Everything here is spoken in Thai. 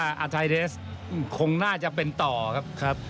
อาทิเตสคงน่าจะเป็นต่อครับ